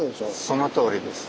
そのとおりです。